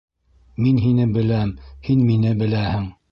Мин һине беләм, һин мине беләһең.